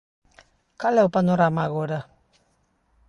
Cal é o panorama agora?